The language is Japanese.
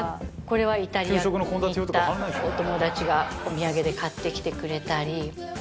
これはイタリアに行ったお友達がお土産で買ってきてくれたり。